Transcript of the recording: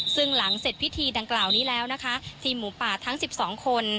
ซึ่งหลังเสร็จพิธีดังกล่าวนี้แล้วนะคะทีมหมูป่าทั้ง๑๒คน